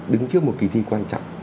đứng trước một kỳ thi quan trọng